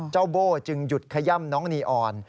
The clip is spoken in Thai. โบ้จึงหยุดขย่ำน้องนีออน